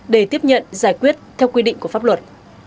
để tiếp nhận giải quyết theo quy định của pháp luật